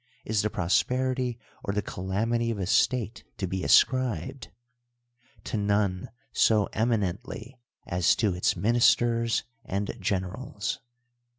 is the prosperity or the calamit.y of a state to be ascribed ? To none so eminently as to its ministers and generals.